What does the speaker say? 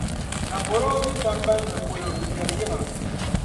Naporoo yi sambani polo n-kpiɛri yiŋa.